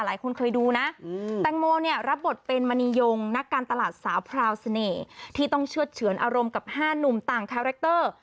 หลายคนเคยดูนะแตงโมเนี่ยรับบทเป็นมณียงนักการตลาดสาวพราวเสน่ห์ที่ต้องเชื่อดเฉือนอารมณ์กับ๕หนุ่มต่างคาแรคเตอร์